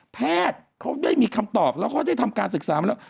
แพทย์เขาได้มีคำตอบแล้วเขาได้ทำการศึกษามาแล้ว